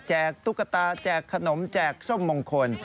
ตุ๊กตาแจกขนมแจกส้มมงคล